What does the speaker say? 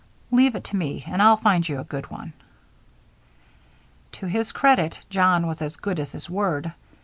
Leave it to me and I'll find you a good one." To his credit, John was as good as his word.